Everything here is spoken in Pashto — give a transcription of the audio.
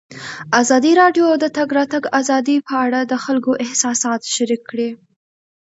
ازادي راډیو د د تګ راتګ ازادي په اړه د خلکو احساسات شریک کړي.